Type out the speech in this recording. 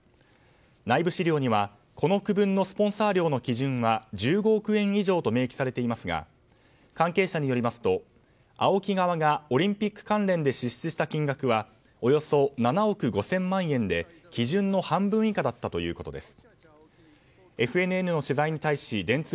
内部資料にはこの区分のスポンサー料の基準は１５億円以上と明記されていますが関係者によりますとＡＯＫＩ側がオリンピック関連で支出した金額はおよそ７億５０００万円で基準の半分以下だったということです。